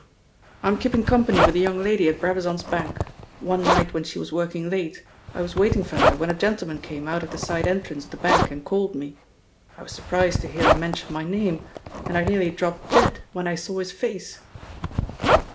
"I'm keeping company with a young lady at Brabazon's bank. One night when she was working late, I was waiting for her when a gentleman came out of the side entrance of the bank and called me. I was surprised to hear him mention my name, and I nearly dropped dead when I saw his face."